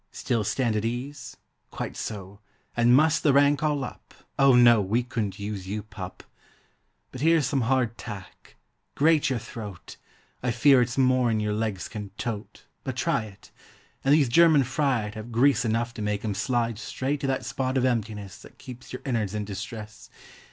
Still stand at ease? Quite so—and muss the rank all up— Oh no, we couldn't use you, pup! But here's some "hard tack." Grate your throat! I fear it's more'n your legs can tote, But try it. And these "German fried" 'Ave grease enough to make 'em slide Straight to that spot of emptiness That keeps your innards in distress!